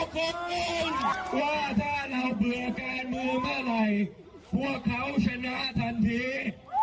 พวกเขาชนะทันที